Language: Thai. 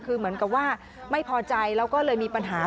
คือเหมือนกับว่าไม่พอใจแล้วก็เลยมีปัญหา